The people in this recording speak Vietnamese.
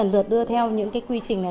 lừa đưa theo những quy trình này